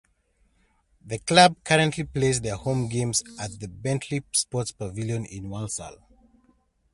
The club currently play their home games at the Bentley Sports Pavilion in Walsall.